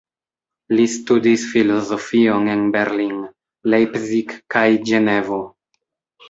Li studis filozofion en Berlin, Leipzig kaj Ĝenevo.